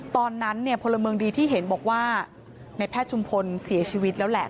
ตอนนั้นเนี่ยพลเมืองดีที่เห็นบอกว่าในแพทย์ชุมพลเสียชีวิตแล้วแหละ